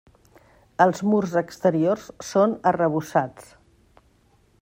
Els murs exteriors són arrebossats.